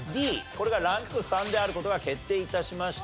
これがランク３である事が決定致しました。